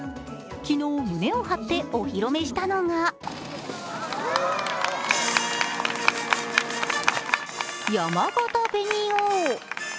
昨日胸を張って、お披露目したのがやまがた紅王。